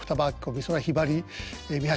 美空ひばり三橋